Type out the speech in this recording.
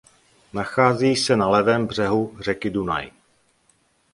Nachází se na levém břehu řeky Dunaj.